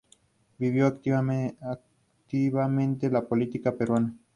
Trabaja como traductor y periodista.